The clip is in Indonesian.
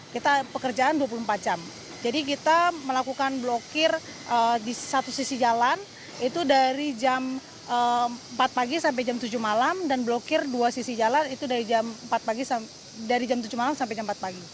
kita pekerjaan dua puluh empat jam jadi kita melakukan blokir di satu sisi jalan itu dari jam empat pagi sampai jam tujuh malam